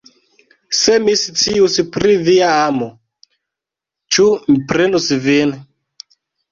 Se mi scius pri via amo, ĉu mi prenus vin!